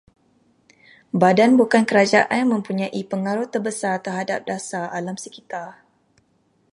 Badan bukan kerajaan mempunyai pengaruh terbesar terhadap dasar alam sekitar